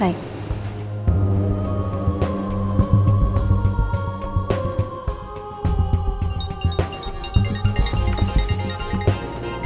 saya sampai m nedaya guys